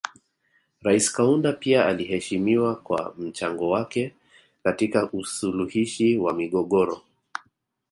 Rais Kaunda pia aliheshimiwa kwa mchango wake katika usuluhishi wa migogoro